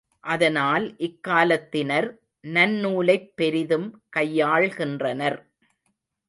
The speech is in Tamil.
அதனால், இக்காலத்தினர் நன்னூலைப் பெரிதும் கையாள்கின்றனர்.